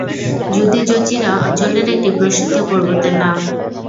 জুদী জযিরা অঞ্চলের একটি প্রসিদ্ধ পর্বতের নাম।